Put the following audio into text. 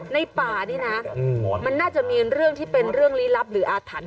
ในป่านี่นะมันน่าจะมีเรื่องที่เป็นเรื่องลี้ลับหรืออาถรรพ์